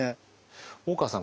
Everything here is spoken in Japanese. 大川さん